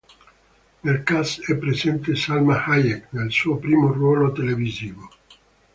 Nel cast è presente Salma Hayek nel suo primo ruolo televisivo.